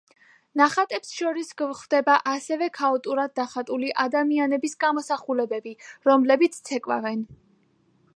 ნახატებს შორის გვხდება ასევე ქაოტურად დახატული ადამიანების გამოსახულებები, რომლებიც ცეკვავენ.